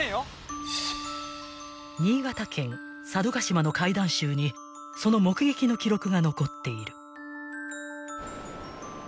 ［新潟県佐渡島の怪談集にその目撃の記録が残っている］